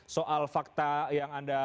soal fakta yang anda